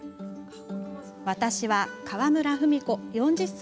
私は川村文子、４０歳。